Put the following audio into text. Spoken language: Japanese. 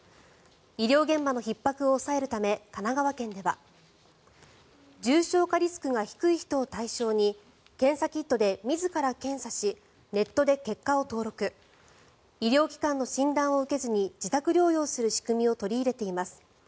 医療現場のひっ迫を抑えるため神奈川県では重症化リスクが低い人を対象に検査キットで自ら検査しネットで結果を登録医療機関の診断を受けずに自宅療養する仕組みを取り入れています。